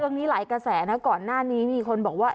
นี้หลายกระแสนะก่อนหน้านี้มีคนบอกว่า